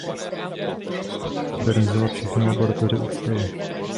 Postupně začal modernizovat všechny laboratoře ústavu.